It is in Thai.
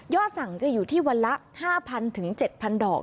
สั่งจะอยู่ที่วันละ๕๐๐๗๐๐ดอก